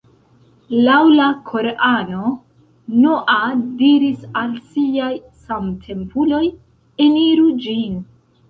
Laŭ la Korano Noa diris al siaj samtempuloj: ""Eniru ĝin.